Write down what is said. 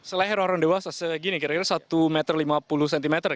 seleher orang dewasa segini kira kira satu meter lima puluh cm